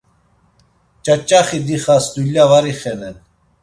Ç̌aç̌axi dixas dulya var ixenen.